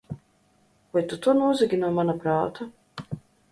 Vai tu to nozagi no mana prāta?